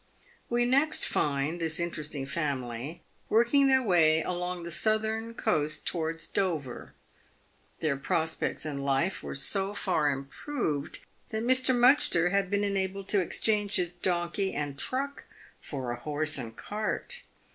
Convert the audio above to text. We next find this interesting family working their way along the southern coast towards Hover. Their prospects in life were so far im PAVED WITH GOLD. 239 proved that Mr. Mudgster had been enabled to exchange his donkey and truck for a horse and cart.